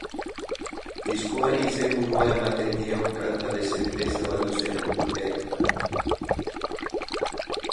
Diskoari izenburua ematen dion kanta dezente zabaldu zen urte haietan.